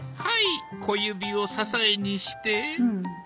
はい小指を支えにして。